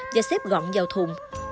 và xếp gọn vào thùng